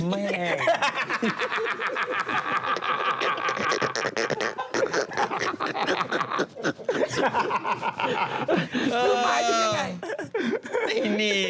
คือหมายถึงยังไง